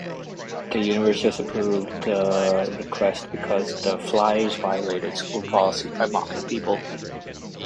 The university disapproved the request because the fliers violated school policy by mocking people.